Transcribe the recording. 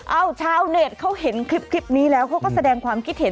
เอาชาวเน็ตเขาเห็นคลิปนี้แล้วเขาก็แสดงความคิดเห็น